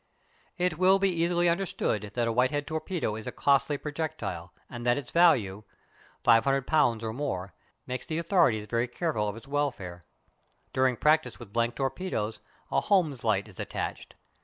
It will be easily understood that a Whitehead torpedo is a costly projectile, and that its value £500 or more makes the authorities very careful of its welfare. During practice with "blank" torpedoes a "Holmes light" is attached.